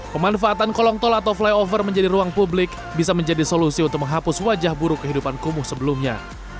pemanfaatan kolong tol atau flyover menjadi ruang publik bisa menjadi solusi untuk menghapus wajah buruk kehidupan kumuh sebelumnya